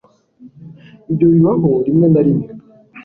ibyo bibaho rimwe na rimwe